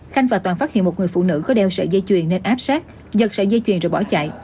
khanh và toàn phát hiện một người phụ nữ có đeo sợi dây chuyền nên áp sát giật sợi dây chuyền rồi bỏ chạy